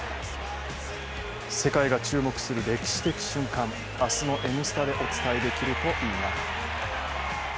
世界が注目する歴史的瞬間明日の「Ｎスタ」でお伝えできるといいな。